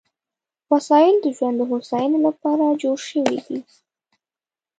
وسایل د ژوند د هوساینې لپاره جوړ شوي دي.